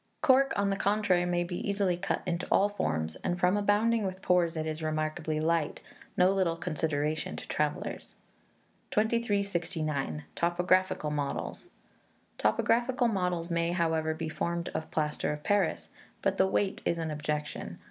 Cork, on the contrary, may be easily cut into all forms, and from abounding with pores, it is remarkably light no little consideration to travellers. 2369. Topographical Models. Topographical models may, however, be formed of plaster of Paris, but the weight is an objection.